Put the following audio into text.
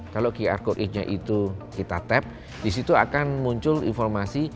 kalau qr code nya itu kita tap disitu akan muncul informasi